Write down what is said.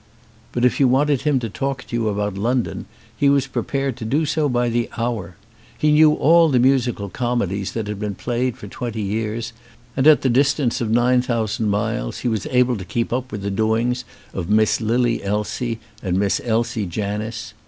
But if you wanted him to talk to you about London he was prepared to do so by the hour. He knew all the musical comedies that had been played for twenty years and at the distance of nine thousand miles he was able to keep up with the doings of Miss Lily Elsie and Miss Elsie Janis.